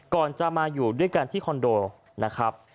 ก่อนจะมาอยู่ด้วยกันที่คอนโดนะครับ